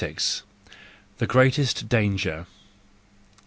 The greatest Danger